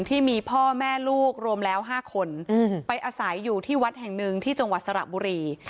ที่มีพ่อแม่ลูกรวมแล้ว๕คนไปอาศัยอยู่ที่วัดแห่งหนึ่งที่จังหวัดสระบุรี